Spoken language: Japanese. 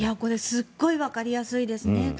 すごいわかりやすいですね。